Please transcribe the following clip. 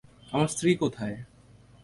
আমার স্ত্রী কোথায়?